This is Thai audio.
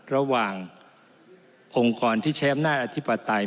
ระหว่างองค์กรที่แชมป์หน้าอธิปไตย